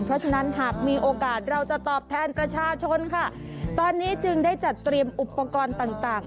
เพราะฉะนั้นหากมีโอกาสเราจะตอบแทนประชาชนค่ะตอนนี้จึงได้จัดเตรียมอุปกรณ์ต่างต่าง